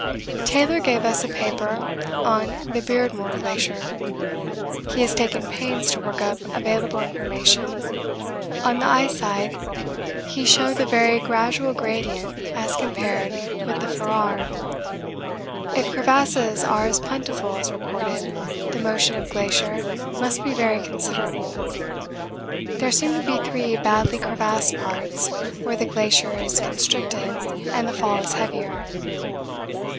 Taylor gave us a paper on the Beardmore Glacier. He has taken pains to work up available information; on the ice side he showed the very gradual gradient as compared with the Ferrar. If crevasses are as plentiful as reported, the motion of glacier must be very considerable. There seem to be three badly crevassed parts where the glacier is constricted and the fall is heavier.